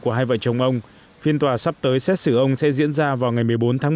của hai vợ chồng ông phiên tòa sắp tới xét xử ông sẽ diễn ra vào ngày một mươi bốn tháng một